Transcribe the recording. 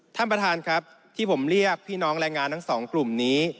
ท่านประธานครับที่ผมเรียกพี่น้องแรงงานทั้งสองกลุ่มนี้